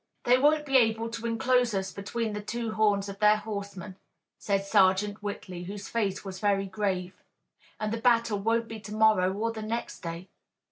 "They won't be able to enclose us between the two horns of their horsemen," said Sergeant Whitley, whose face was very grave, "and the battle won't be to morrow or the next day."